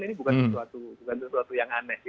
ini bukan sesuatu yang aneh